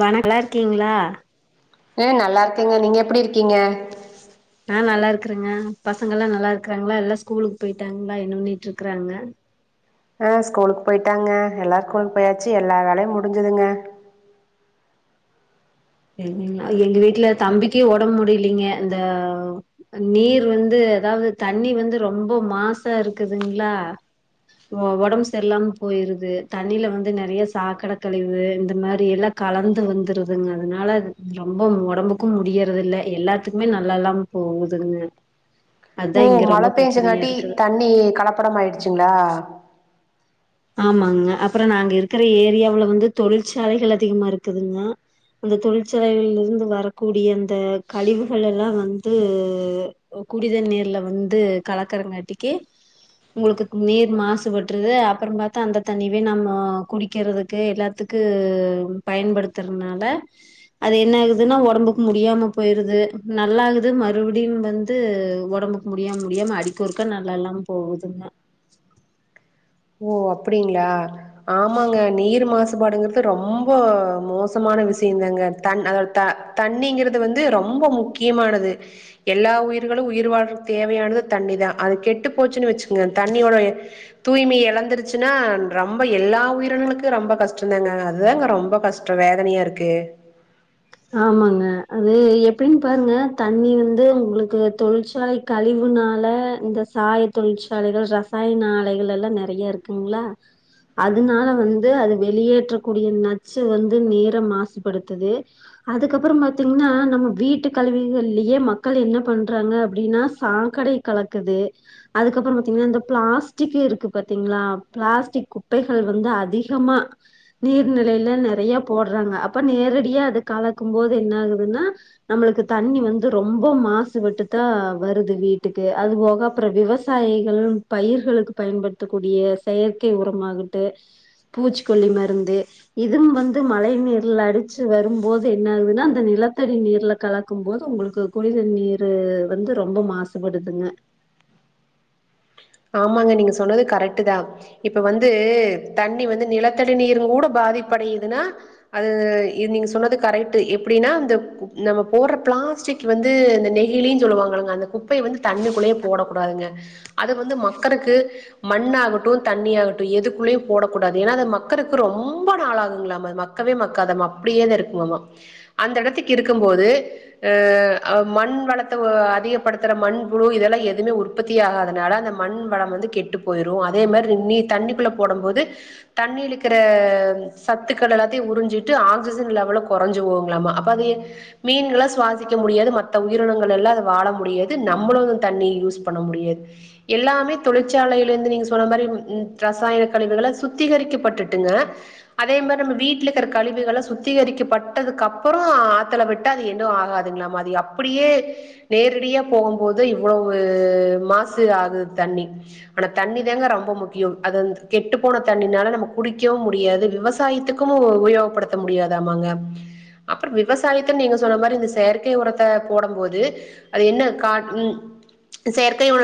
வணக் நல்லா இருக்கீங்களா அ நல்லா இருக்கேங்க நீங்க எப்படி இருக்கீங்க ஆ நல்லா இருக்கறேங்க பசங்க எல்லா நல்லா இருக்கறாங்களா எல்லா ஸ்கூலுக்கு போயிட்டாங்களா என்ன பண்ணிட்டு இருக்கறாங்க ஆ ஸ்கூலுக்கு போயிட்டாங்க எல்லாரும் கூலுக்கு போயாச்சு எல்லா வேலையு முடிஞ்சுதுங்க செரிங்களா எங்க வீட்ல தம்பிக்கே ஒடம்பு முடியலீங்க இந்த நீர் வந்து அதாவது தண்ணி வந்து ரொம்ப மாசா இருக்குதுங்களா ஒ ஒடம்பு செரில்லாம போயிருது தண்ணில வந்து நெறைய சாக்கட கழிவு இந்த மாரி எல்லா கலந்து வந்துருதுங்க அதனால ரொம்ப உடம்புக்கும் முடியறது இல்ல எல்லாத்துக்குமே நல்லா இல்லாம போகுதுங்க அதா ஓ இங்க மழ ரொம்ப பிரச்சனையா பெஞ்சங்ககாட்டி இருக்குது தண்ணி கலப்படம் ஆயிடுச்சுங்களா ஆமாங்க அப்றோ நாங்க இருக்கிற ஏரியாவுல வந்து தொழிற்சாலைகள் அதிகமா இருக்குதுங்க அந்த தொழிற்சாலைகள்ல இருந்து வரக்கூடிய அந்த கழிவுகள் எல்லா வந்து குடிதண்ணீநீர்ல வந்து கலக்கரங்காட்டிக்கு உங்களுக்கு நீர் மாசுபட்டுறுது அப் அப்பறோ பாத்தா அந்த தண்ணிவே நம்மோ குடிக்கிறதுக்கு எல்லாத்துக்கு பயன்படுத்துறதுனால அது என்ன ஆகுதுனா ஒடம்புக்கு முடியாம போயிருது நல்லாகுது மறுபடியு வந்து ஒடம்புக்கு முடியாம முடியாம அடிக்கொருக்கா நல்லா இல்லாம போகுதுங்க ஓ அப்டிங்களா ஆமாங்க நீர் மாசுபாடுங்கிறது ரொம்ப மோசமான விஷயந்தாங்க தன் அ த தண்ணிங்கிறது வந்து ரொம்ப முக்கியமானது எல்லா உயிர்களு உயிர் வாழறக்கு தேவையானது தண்ணி தா அது கெட்டு போச்சுன்னு வச்சுக்கங்க தண்ணியோட தூய்மையே கலந்துருச்சுன்னா ரொம்ப எல்லா உயிரினங்களுக்கு ரொம்ப கஷ்டதாங்க அதுதான்ங்க ரொம்ப கஷ்டோ வேதனையா இருக்கு ஆமாங்க அது எப்டினு பாருங்க தண்ணி வந்து உங்களுக்கு தொழிற்சாலை கழிவுனால இந்த சாய தொழிற்சாலைகள் ரசாயன ஆலைகள் எல்லா நெறைய இருக்குங்களா அதுனால வந்து அது வெளியேற்றக்கூடிய நச்சு வந்து நேரா மாசுபடுத்துது அதுக்கப்பறோ பாத்தீங்கன்னா நம்ம வீட்டு கழிவுகள்லயே மக்கள் என்ன பண்றாங்க அப்டினா சாக்கடைய கலக்குது அதுக்கப்பறோ பார்த்தீங்கனா இந்த பிளாஸ்டிக்கு இருக்கு பாத்தீங்களா பிளாஸ்டிக் குப்பைகள் வந்து அதிகமா நீர்நிலைல நெறைய போடுறாங்க அப்ப நேரடியா அது கலக்கு போது என்ன ஆகுதுன்னா நம்மளுக்கு தண்ணி வந்து ரொம்ப மாசுபட்டு தா வருது வீட்டுக்கு அது போக அப்பறோ விவசாயிகள் பயிர்களுக்கு பயன்படுத்தக்கூடிய செயற்கை உரமாகட்டு பூச்சிக்கொல்லி மருந்து இதுவு வந்து மழை நீர்ல அரிச்சு வரும் போது என்ன ஆகுதுன்னா அந்த நிலத்தடி நீர்ல கலக்கும் போது உங்களுக்கு குடிண்ணீரு வந்து ரொம்ப மாசுபடுதுங்க ஆமாங்க நீங்க சொன்னது கரெக்ட் தா இப்ப வந்து தண்ணி வந்து நிலத்தடி நீரும் கூட பாதிப்படையுதுன்னா அது இது நீங்க சொன்னது கரெக்ட் எப்படின்னா இந்த நம்ம போடுற பிளாஸ்டிக் வந்து இந்த நெகிலின்னு சொல்லுவாங்கங்க அந்த குப்பையை வந்து தண்ணிக்குள்ளேயே போடக்கூடாதுங்க அது வந்து மக்கறக்கு மண்ணாகட்டும் தண்ணிஆகட்டும் எதுக்குள்ளயு போடக்கூடாது ஏன்னா மக்கக்கு ரொம்ப நாளாகுங்களாம் மக்கவே மக்கக்காதமாம் அப்படியே தா இருக்குமாம் அந்த இடத்துக்கு இருக்கும்போது மண் வளத்த அதிகப்படுத்துற மண்புழு இதெல்லாம் எதுவுமே உற்பத்தி ஆகாதனால அந்த மண் வளம் வந்து கெட்டு போயிரும் அதே மாரி நீ தண்ணிக்குள்ள போடும் போது தண்ணிலலுக்க சத்துக்கள் எல்லாத்தையும் உறிஞ்சிட்டு ஆக்சிஜன் லெவல குறைஞ்சுபோகுங்களாம அப்ப அத மீன்காம் சுவாசிக்க முடியாது மத்த உயிரினங்கள் எல்லாம் வாழ முடியாது நம்மளும் வ தண்ணி யூஸ் பண்ண முடியாது எல்லாமே தொழிற்சாலையில இருந்து நீங்க சொன்ன மாரி ரசாயன கழிவுகள சுத்திகரிக்கப்பட்டுட்டுங்க அதே மாதிரி நம்ம வீட்டில் இருக்கிற கழிவுகள சுத்திகரிக்கப்பட்டதுக்கு அப்புறம் ஆத்துல விட்டா அது என்ன ஆகாதுங்களாமா அது அப்படியே நேரடியாக போகும்போது இவ்வளவு மாசு ஆகுது தண்ணி ஆனா தண்ணி தங்க ரொம்ப முக்கியம் அ கெட்டு போன தண்ணினால நம்ம குடிக்கவும் முடியாது விவசாயத்துக்கும் உயோகப்படுத்த முடியாது ஆங்க அப்புறம் விவசாயத்த நீங்க சொன்ன மாதிரி இந்த செயற்கை உரத்தை போடும் போது அது என்ன உ செயற்கை உ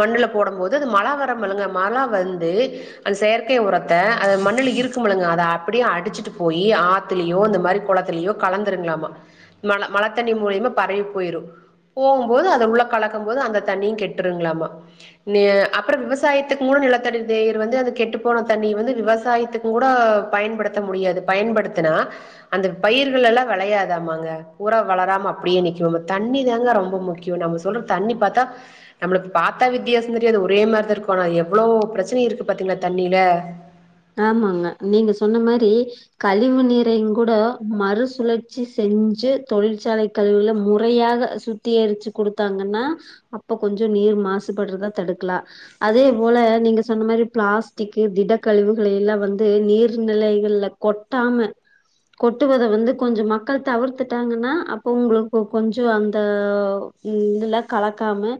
மண்ணுல போடும்போது அது மழ வர மழுங்க மழ வந்து அந்த செயற்கை உ ரத் அது மண்ணுல இருக்கு முலுங்க அத அ அப்படியே அடிச்சிட்டு போய் ஆத்தலயோ இந்த மாதிரி குளத்திலயோ கலந்துருங்களாமா ம மழத்தண்ணி மூலியமா பரவி போயிரும் போகும்போது அது உள்ள கலக்கும் போது அந்த தண்ணியும் கெட்டுருங்களாமா அப்புறம் விவசாயத்துக்கும் கூட நிலத்தடிநீர் வந்து அந்த கெட்டு போன தண்ணி வந்து விவசாயத்துக்கும் கூட பயன்படுத்த முடியாது பயன்படுத்தினா அந்த பயிர்கள் எல்லாம் விளையாதாமங்க பூரா வளராம அப்படியே நிக்கும் தண்ணி தாங்க ரொம்ப முக்கியம் நம்ம சொல்ற தண்ணி பாத்தா நம்ம பாத்தா வித்தியாச தெரியாது ஒரே மாதிரிதா இருக்கும்னா எவ்வளவு பிரச்சனை இருக்கு பாத்தீங்களா தண்ணியில ஆமாங்க நீங்க சொன்ன மாரி கழிவு நீரையும் கூட மறுசுழற்சி செஞ்சு தொழிற்சாலை கழிவுில முறையாக சுத்திகரிச்சு குடுத்தாங்கன்னா அப்ப கொஞ்சம் நீர் மாசுபடுறதா தடுக்கலாம் அதே போல நீங்க சொன்ன மாரி பிளாஸ்டிகக்கு திட கழிவுகள எல்லாம் வந்து நீர்நிலைகள்ல கொட்டாம கொட்டுவத வந்து கொஞ்சம் மக்கள் தவிர்த்துட்டாங்கன்னா அப்போ உங்களுக்கு கொஞ்சம் அந்த இதுல கலக்காம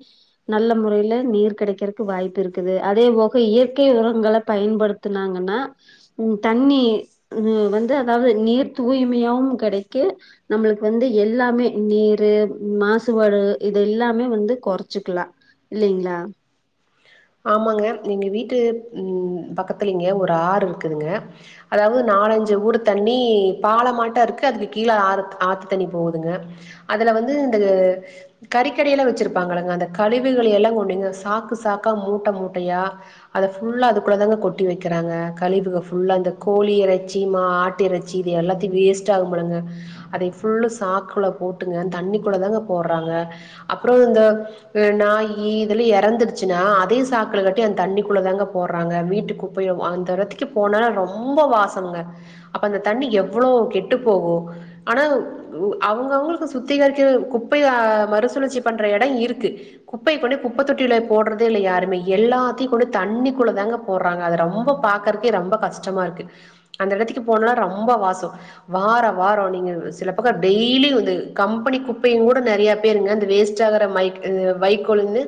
நல்ல முறைல நீர் கிடைக்கிறதுக்கு வாய்ப்பு இருக்குது அதே போக இயற்கை உரங்களை பயன்படுத்த த்துனாங்கன்னா உம் தண்ணி உஹ வந்து அதாவது நீர் தூய்மையாவும் கிடைக்கு நம்மளுக்கு வந்து எல்லாமே நீரு மாசுபாடு இது எல்லாமே வந்து குறைச்சுக்கலாம் இல்லைங்களா ஆமாங்க எங்க வீட்டு உஹம் பக்கத்துல இங்க ஒரு ஆறு இருக்குதுங்க அதாவது நாலஞ்சு ஊடு தண்ணி பாள மாட்டா இருக்கு அதுக்கு கீழேஆறு ஆத்து தண்ணி போகுதுங்க அதுல வந்து இந்த கறிக்கடைலாம் வச்சிருப்பாங்கங்க அந்த கழிவுக எல்லாம் கொண்டுங்க சாக்கு சாக்கு மூட்ட மூட்டையா அத புல்ல அதுக்குள்ள தாங்க கொட்டி வைக்கிறாங்க கழிவுகல்ல அந்த கோழி இறைச்சி மாட்டு இறைச்சி இது எல்லாத்தையும் வேஸ்ட் ஆகபழுுங்க அதை சாக்குள்ள போட்டுங்க தண்ணிக்குள்ள தாங்க போடுறாங்க அப்புறம் இந்த நாயி இதல இறந்துருச்சு நா அதே சாக்குல கட்டி தண்ணிக்குள்ளதாங்க போடுறாங்க வீட்டு குப்பையை அந்த இடத்துக்கே போனா ரொம்ப வாசமங்க அப்ப அந்த தண்ணி எவ்ளோ கெட்டுப் போகும் ஆனால் அவங்க அவங்களுக்கு சுத்தரிகரிக் குப்பைய மறுசுழற்சி பண்ற இடம் இருக்கு குப்பையை கொண்டி குப்பை தொட்டில போடுறதே இல்ல யாருமே எல்லாத்தையும் கொண்டு தண்ணிக்குள்ள தாங்க போடுறாங்க அதை ரொம்ப பாக்குறக்கே ரொம்ப கஷ்டமா இருக்கு அந்த இடத்துக்கு போனல்லாம் ரொம்ப வாசம் வாரம் வாரம் நீங்க சில பக்கம் டெய்லி வந்து கம்பெனி குப்பையும் கூட நிறைய பேருங்க அந்த வேஸ்ட் ஆகுற மை வைக்கோல்ன்னு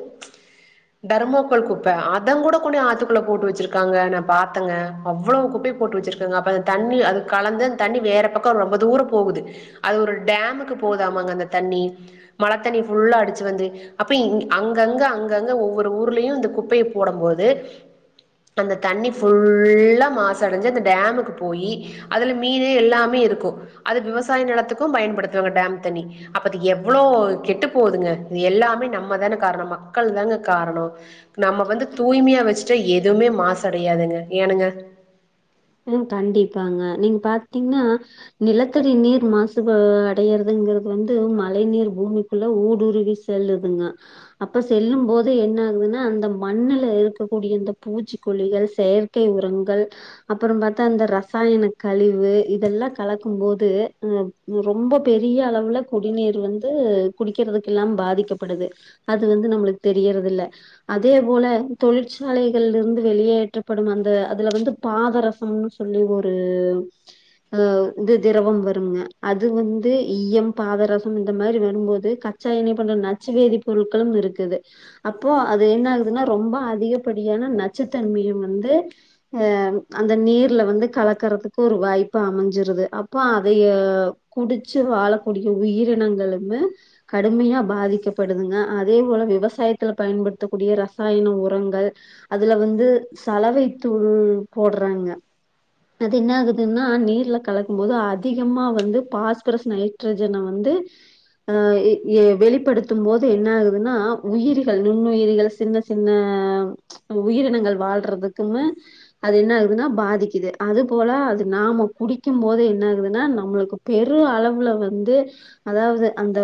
டர்மோக்கோள் குப்ப அதன் கூட கொனந் ஆத்துக்குள்ள போட்டு வச்சிருக்காங்க நா பாத்தேங்க அவ்வளவு குப்பையை போட்டு வச்சிருக்காங்க அப்ப அந்த தண்ணி அது கலந்து அந்த தண்ணி வேற பக்கம் ரொம்ப தூரம் போகுது அது ஒரு டேமுக்கு போகுதாம அங்க அந்த தண்ணி மழைத்தண்ணி ஃபுல்லா அடிச்சு வந்து அப்ப அங்கங்க அங்கங்க ஓவ் ஒரு ஊர்லயும் இந்த குப்பையை போடும் போது அந்த தண்ணி ஃபுல்லா மாசுடைஞ்சு அந்த டேமுக்கு போய் அதுல மீன் எல்லாமே இருக்கும் அது விவசாய நிலத்துக்கும் பயன்படுத்துவாங்க டேம் தண்ணி அப்ப எவ்வளோ கெட்டு போகுதுங்க இது எல்லாமே நம்ம தானே காரணம் மக்கள் தாங்க காரணம் நம்ம வந்து தூய்மையா வச்சுட்டா எதுவுமே மாசுடையாதுங்க ஏனுங்க ம் கண்டிப்பாங்க நீங்க பாத்தீங்கன்னா நிலத்தடி நீர் மாசுபா அடையறதுங்கிறது வந்து மழை நீர் பூமிக்குள்ள ஊடுருவி செல்லுதுங்க அப்ப செல்லும் போது என்ன ஆகுதுன்னா அந்த மண்ணுல இருக்கக்கூடிய அந்த பூச்சிக்கொல்லிகள் செயற்கை உரங்கள் அப்புற பாத்தா அந்த ரசாயன கழிவு இதெல்லா கலக்கும் போது ரொம்ப பெரிய அளவுல குடிநீர் வந்து குடிக்கிறதுக்குல்லா பாதிக்கப்படுது அது வந்து நம்மளுக்கு தெரியிறத இல்ல அதே போல தொழிற்சாலைகள்ல இருந்து வெளியேற்றப்படும் அந்த அதுல வந்து பாதரசம்னு சொல்லி ஒரு அ இது திரவம் வருங்க அது வந்து ஈயம் பாதரசம் இந்த மாதிரி வரும்போது கச்சா எண்ணய பண்ற நச்சு வேதி பொருட்களு இருக்குது அப்போ அது என்ன ஆகுதுன்னா ரொம்ப அதிகப்படியான நச்சுத்தன்மையு வந்து ஆ அந்த நீர்ல வந்து கலக்கறதுக்கு ஒரு வாய்ப்பு அமஞ்சிருது அப்போ அதைய குடிச்சு வாழக்கூடிய உயிரினங்களுமே கடுமையா பாதிக்கப்படுதுங்க அதே போல விவசாயத்துல பயன்படுத்தக்கூடிய ரசாயன உரங்கள் அதுல வந்து சலவை தூள் போடுறாங்க அது என்ன ஆகுதுன்னா நீர்ல கலக்கும் போது அதிகமா வந்து பாஸ்பரஸ் நைட்ரஜனை வந்து அ எ வெளிப்படுத்தும் போது என்ன ஆகுதுன்னா உயிரிகள் நுண்ணுயிரிகள் சின்ன சின்ன உயிரினங்கள் வாழ்றதுக்குமே அது என்ன ஆகுதுன்னா பாதிக்குது அது போல அது நாம குடிக்கு போது என்ன ஆகுதுன்னா நம்மளுக்கு பெரு அளவுல வந்து அதாவது அந்த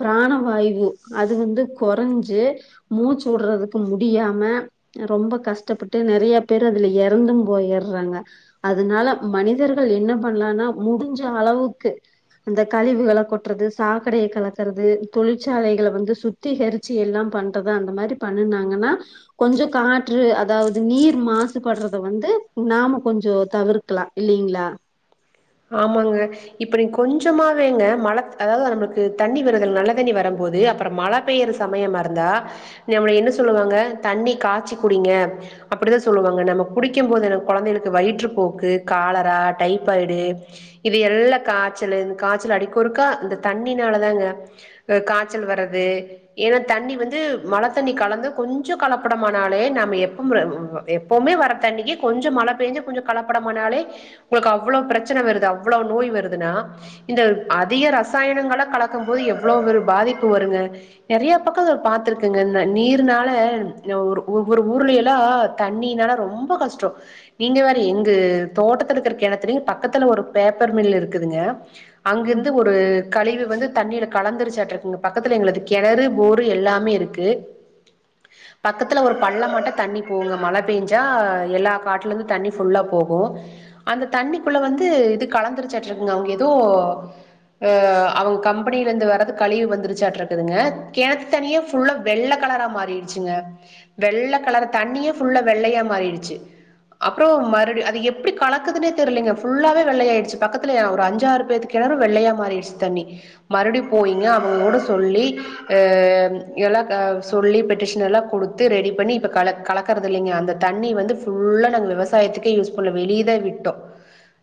பிராண வாயு அது வந்து கொறஞ்சு மூச்சு வுடுறதுக்கு முடியாம ரொம்ப கஷ்டப்பட்டு நெறைய பேர் அதுல இற ந்து போயிறாங்க அதனால மனிதர்கள் என்ன பண்ணலனா முடிஞ்ச அளவுக்கு அந்த, கொட்டுறது சாக்கடையை கலக்கறது தொழிற்சாலைகளை வந்து சுத்திகரிச்சி எல்லா பண்றத அந்த மாதிரி பண்ணனாங்கன்னா கொஞ்ச காற்று அதாவது நீர் மாசுபடுறது த வந்து நாம கொஞ்ச தவிர்க்கலா இல்லிங்களா ஆமாங்க இப்ப நீங்க கொஞ்சமாவேங்க மழ அதாவது நம்மளுக்கு தண்ணி வறது நல்ல தண்ணி வரும்போது அப்புறோ மழ பெய்யற சமயமா இருந்தா நம்மள என்ன சொல்லுவாங்க தண்ணி காய்சி குடிங்க அப்படிதா சொல்லுவாங்க நம்ம குடிக்கு போது நம்ம கொழந்தைகளுக்கு வயிற்று போக்கு காலரா டைபாய்டு இது எல்லா காச்சலு இந்த காச்சலு அடிக்கொருக்கா இந்த தண்ணினால தாங்க ஆ காய்ச்சல் வரது ஏனா தண்ணி வந்து மழ தண்ணி கலந்து கொஞ்ச கலப்படமானாலே நாம எப்ப எப்பவுமே வர தண்ணிக்கே கொஞ்ச மழ பெஞ்சு கொஞ்ச கலப்படமானாலே உங்களுக்கு அவ்ளோ பிரச்சன சன வருது அவ்வளவு நோய் வருதுன்னா இந்த அதிக ரசாயனங்கள கலக்கு போது எவ்வளவு பாதிப்பு வருங்க நெறைய பக்க பாத்துருக்கேங்க நீர்னால ஒரு ஓவ்வோர் ஊர்ல எல்லா தண்ணீனால ரொம்ப கஷ்டோ நீங்க வேற எங்க தோட்டத்துல இருக்கிறக்க கெணத்துல பக்கத்துல ஒரு பேப்பர் மில் இருக்குதுங்க அங்கிருந்து ஒரு கழிவு வந்து தண்ணீல கலந்திருச்சு ஆட்டருக்குங்க பக்கத்தில எங்களுக்கு கெணறு போரு எல்லாமே இருக்கு பக்கத்தில ஒரு பள்ளமட்ட தண்ணி போங்க மழ பேஞ்சா எல்லா காட்ல இருந்து தண்ணி ஃபுல்லா போகு அந்த தண்ணி குல வந்து இது கலந்திருச்சாட்டருக்குங்க அவுங்க ஏதோ ஆ அவங்க கம்பெனியில இருந்து வரது கழிவு வந்துருச்சாட்ட இருக்குதுங்க கெணத்து தண்ணிய ஃபுல்லா வெள்ள கலரா மாறிடுச்சுங்க வெள்ள கலர் தண்ணிய ஃபுல்லா வெள்ளையா மாறிடுச்சு அப்புறோ மறு அது எப்டி கலக்குதுனே தெரிலங்க ஃபுல்லாவே வெள்ளையாயிடுச்சு பக்கத்துல ஏ ஒரு அஞ்சாறு பேத்துக்கு கெணறு வெள்ளையா மாறிடுச்சு தண்ணி மறுபடி போயீங்க அவுங்க கூட சொல்லி அ எல்லா க சொல்லி பெட்டிஷன் எல்லா கொடுத்து ரெடி பண்ணி இப்ப கலக் கலக்கறது இல்லைங்க அந்த தண்ணி வந்து ஃபுல்லா நாங்க விவசாயத்துக்கே யூஸ் பண்ணல வெளியதே விட்டோ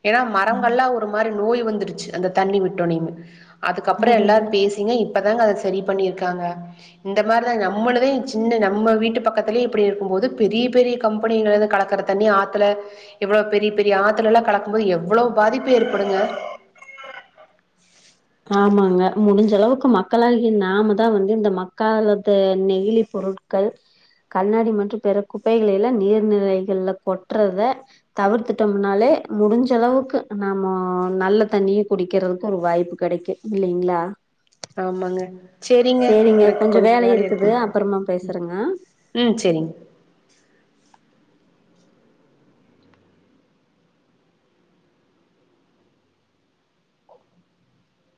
ஏனா மரங்கல்லொ ஒரு மாரி நோய் வந்து வந்துருச்சு அந்த தண்ணி விட்டோனோமே அதுக்கப்புறோ அது எல்லாரு அது பேசிங்க இப்பதாங்க அத சரி பண்ணி இருக்காங்க இந்த மாரி தா நம்மளுதையு சின்ன நம்ம வீட்டு பக்கத்துல இப்டி இருக்குபோது பெரிய பெரிய கம்பெனியில கலக்குற தண்ணி ஆத்துல எவ்ளோ பெரிய பெரிய ஆத்துலலா கலக்கு போது எவ்வளவு பாதிப்பு ஏற்படுங்க ஆமாங்க முடிஞ்சளவுக்கு மக்களாகிய நாம தா வந்து இந்த மக்காலது நெகிழி பொருட்கள் கண்ணாடி மற்றும் பிற குப்பைகள எல்லா நீர்நிலைகள்ல கொட்டுறத தவிர்த்துட்டோம்னாலே முடிஞ்ச அளவுக்கு நாம நல்ல தண்ணியே குடிக்கறதுக்கு ஒரு வாய்ப்பு கெடைக்கு இல்லலைங்களா ஆமாங்க செரிங்க எனக்கு கொஞ்சோ கொஞ்ச வேலை இருக்குது இருக்கும அப்பறமா பேசுறங்க ம் செரிங்க